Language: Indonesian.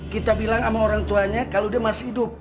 kita bilang sama orang tuanya kalau dia masih hidup